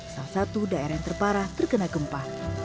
salah satu daerah yang terparah terkena gempa